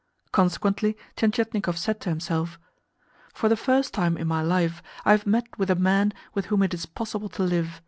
Consequently Tientietnikov said to himself: "For the first time in my life I have met with a man with whom it is possible to live.